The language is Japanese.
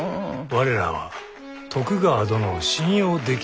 我らは徳川殿を信用できぬということ。